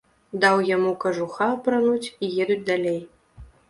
Даў яму кажуха апрануць, і едуць далей.